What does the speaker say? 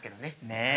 ねえ。